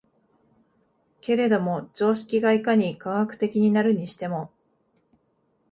けれども常識がいかに科学的になるにしても、